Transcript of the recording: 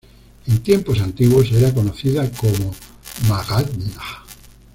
En tiempos antiguos era conocida como Magadha.